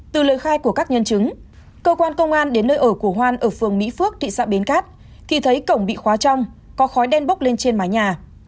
từ lời khai của các nhân chứng cơ quan công an đến nơi ở của hoan ở phường mỹ phước thị xã bến cát thì thấy cổng bị khóa trong có khói đen bốc lên trên mái nhà